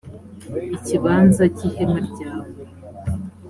ikibanza cy’ihema ryawe.